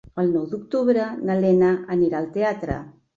El nou d'octubre na Lena anirà al teatre.